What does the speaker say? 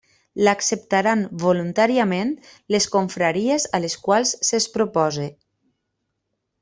L'acceptaran voluntàriament les confraries a les quals se'ls propose.